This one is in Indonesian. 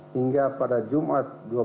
hingga pada jumat